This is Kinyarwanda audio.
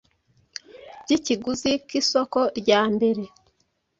by’ikiguzi k’isoko rya mbere.